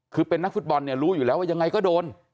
คือเป็นนักฟุตบอลเนี่ยรู้อยู่แล้วว่ายังไงก็โดน